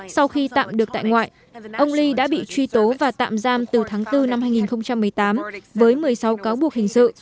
sau khi tạm được tại ngoại ông lee đã bị truy tố và tạm giam từ tháng bốn năm hai nghìn một mươi tám với một mươi sáu cáo buộc hình sự